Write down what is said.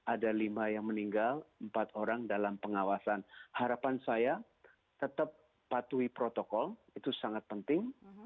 ada lima yang meninggal empat orang dalam pengawasan harapan saya tetap patuhi protokol itu sangat penting